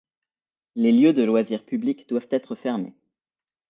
Les lieux de loisir publics doivent être fermés.